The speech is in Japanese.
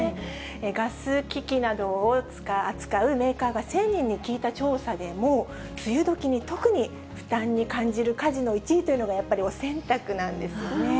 ガス機器などを扱うメーカーが１０００人に聞いた調査でも、梅雨時に特に負担に感じる家事の１位というのが、やっぱりお洗濯なんですよね。